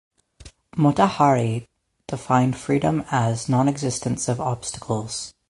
Motahari defined freedom as nonexistence of obstacles.